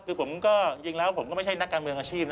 คือผมก็จริงแล้วผมก็ไม่ใช่นักการเมืองอาชีพ